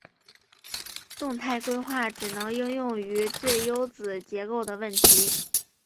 动态规划只能应用于有最优子结构的问题。